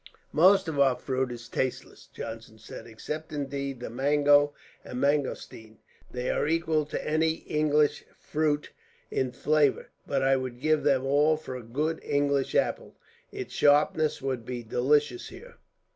"Most of our fruit is tasteless," Johnson said, "except, indeed, the mango and mangostine. They are equal to any English fruit in flavour, but I would give them all for a good English apple. Its sharpness would be delicious here.